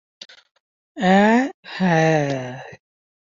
অ্যাঁ, হ্যাঁ।